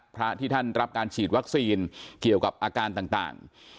พระที่ท่านรับการฉีดวัคซีนเกี่ยวกับอาการต่าง